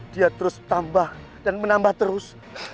dia terus tambah dan menambah terus